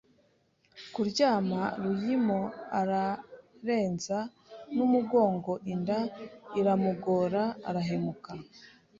kuryama Ruyimo ararenza n’umugongo Inda iramugora arahemuka